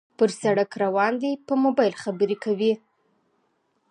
پر سړک روان دى په موبایل خبرې کوي